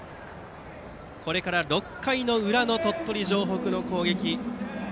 これから６回の裏の鳥取城北の攻撃。